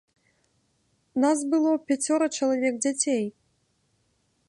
Нас было пяцёра чалавек дзяцей.